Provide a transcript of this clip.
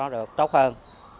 được tốt hơn